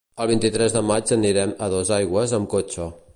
El vint-i-tres de maig anirem a Dosaigües amb cotxe.